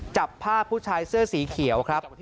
จับภาพผู้ชายเสื้อสีเขียวครับ